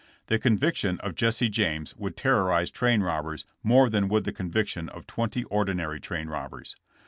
The conviction of Jesse James would terrorize train rob bers more than would the conviction of twenty ordi nary train robbers.